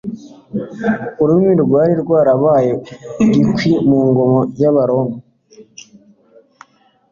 ururimi rwari rwarabaye gikwira mu ngoma y'Abaroma.